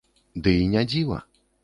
Ды і не дзіва.